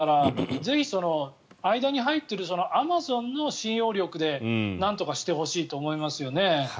だからぜひ、間に入っているアマゾンの信用力でなんとかしてほしいと思いますよね。